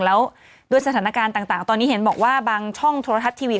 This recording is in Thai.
แล้วด้วยสถานการณ์ต่างตอนนี้เห็นบอกว่าบางช่องโทรทัศน์ทีวี